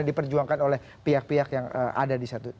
dan diperjuangkan oleh pihak pihak yang ada disatu